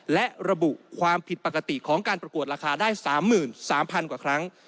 และระบุความผิดปกติของการประกวดราคาได้๓๓๐๐๐กว่าครั้ง